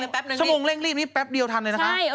แป๊บนึงชั่วโมงเร่งรีบนี่แป๊บเดียวทันเลยนะคะ